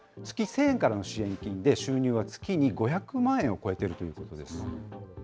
月１０００円からの支援金で収入は月に５００万円を超えているということです。